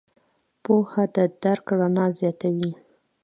پوهه د درک رڼا زیاتوي.